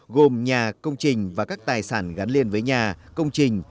gồm nhà công trình và các tài sản gắn liền với nhà công trình